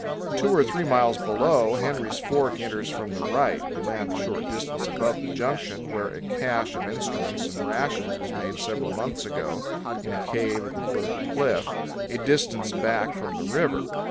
Two or three miles below, Henry's Fork enters from the right. We land a short distance above the junction, where a cache of instruments and rations was made several months ago in a cave at the foot of the cliff, a distance back from the river.